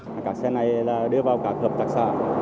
đặc biệt trong dịp cuối năm